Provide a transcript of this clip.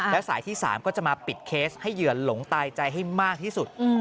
แล้วสายที่๓ก็จะมาปิดเคสให้เหยื่อหลงตายใจให้มากที่สุด